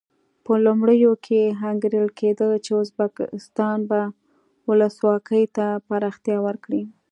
په لومړیو کې انګېرل کېده چې ازبکستان به ولسواکي ته پراختیا ورکړي.